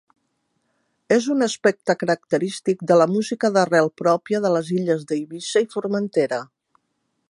És un aspecte característic de la música d'arrel pròpia de les illes d'Eivissa i Formentera.